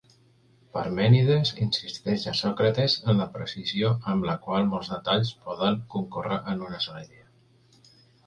Parmènides insisteix a Sòcrates en la precisió amb la qual molts detalls poden concórrer en una sola idea.